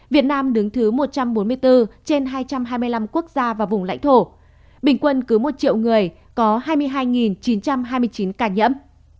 việt nam đứng thứ một trăm bốn mươi bốn trên hai trăm hai mươi năm quốc gia và vùng lãnh thổ bình quân cứ một triệu người có hai mươi hai chín trăm hai mươi chín ca nhiễm